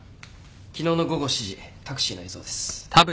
昨日の午後７時タクシーの映像です。